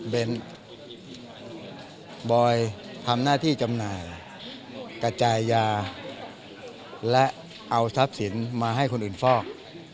บอยทำหน้าที่จำหน่ายกระจายยาและเอาทรัพย์สินมาให้คนอื่นฟอก